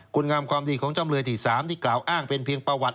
คุณงามความดีของจำเลยที่๓ที่กล่าวอ้างเป็นเพียงประวัติ